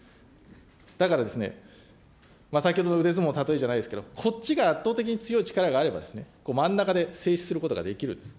だからですね、先ほどの腕相撲の例えじゃないですけど、こっちが圧倒的に強い力があれば、真ん中で制止することができるんです。